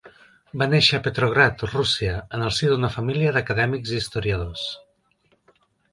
Va néixer a Petrograd, Rússia, en el si d'una família d'acadèmics i historiadors.